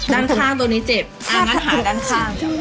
ด้านข้างตัวนี้เจ็บอ่างั้นหาด้านข้าง